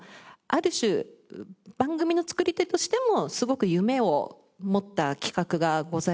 ある種番組の作り手としてもすごく夢を持った企画がございました。